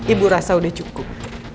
ibu rasa udah cukup